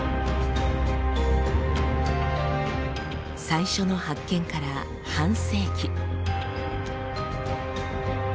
最初の発見から半世紀。